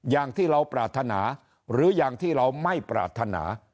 อย่างที่เราปรารถนาหรืออย่างที่เราไม่ปรารถนา